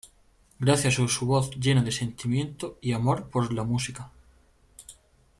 Gracias a su voz llena de sentimiento y amor por la música.